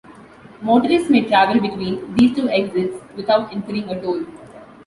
Motorists may travel between these two exits without incurring a toll.